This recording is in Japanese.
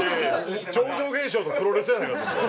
超常現象とプロレスやないかそしたら。